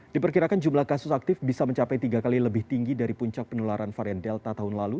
diperkirakan jumlah kasus aktif bisa mencapai tiga kali lebih tinggi dari puncak penularan varian delta tahun lalu